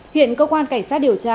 hiện công an cảnh sát điều tra